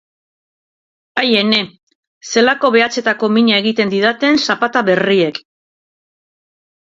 Ai ene! zelako behatzetako mina egiten didaten zapata berriek!